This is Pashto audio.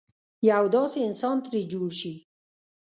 یو داسې انسان ترې جوړ شي.